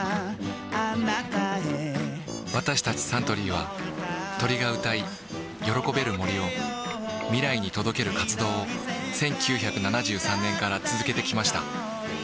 私たちサントリーは鳥が歌い喜べる森を未来に届ける活動を１９７３年から続けてきました